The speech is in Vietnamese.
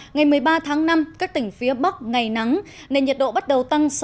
ngày một mươi ba tháng năm các tỉnh phía bắc ngày nắng nên nhiệt độ bắt đầu tăng